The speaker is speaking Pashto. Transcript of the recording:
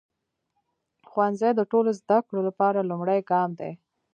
ښوونځی د ټولو زده کړو لپاره لومړی ګام دی.